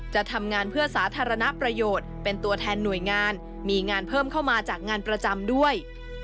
จะทำงานเพื่อสาธารณประโยชน์เป็นตัวแทนหน่วยงานมีงานเพิ่มเข้ามาจากงานประจำด้วย